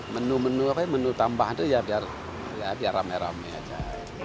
menu menu apa menu tambahan itu ya biar rame rame aja